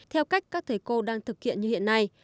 theo cách các thầy cô đang thực hiện như hiện nay